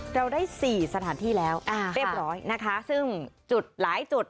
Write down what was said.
เราได้สี่สถานที่แล้วเรียบร้อยนะคะซึ่งจุดหลายจุด